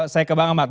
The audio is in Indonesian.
saya ke bang ahmad